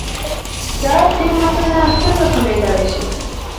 دا قيمتونه څنکه کمېدلی شي؟